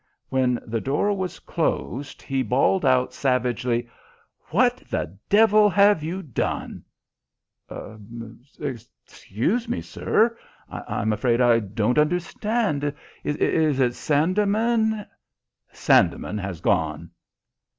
When the door was closed, he bawled out, savagely: "What the devil have you done?" "Excuse me, sir. I'm afraid I don't understand. Is it Sandeman ?" "Sandeman has gone."